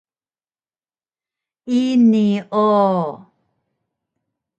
Ini o!